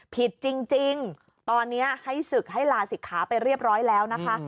ผิดจริงตอนนี้ให้ศึกให้ลาศิกขาไปเรียบร้อยแล้วนะคะ